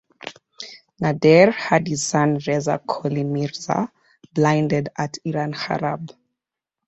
Nader had his son Reza Qoli Mirza blinded at Iran Kharab.